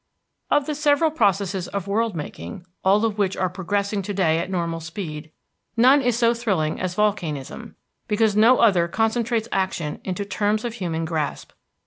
Of the several processes of world making, all of which are progressing to day at normal speed, none is so thrilling as volcanism, because no other concentrates action into terms of human grasp.